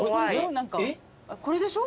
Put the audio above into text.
これでしょ？